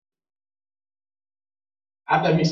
wanaweza kula tunda hili basi pia mimi naweza